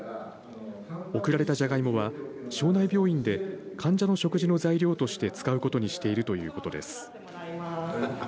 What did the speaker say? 贈られたジャガイモは荘内病院で患者の食事の材料として使うことにしているということです。